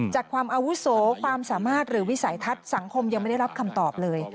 จากความอาวุโสความสามารถหรือวิสัยทัศน์สังคมยังไม่ได้รับคำตอบเลย